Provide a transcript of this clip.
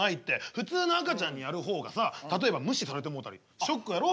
普通の赤ちゃんにやる方がさ例えば無視されてもうたりショックやろ？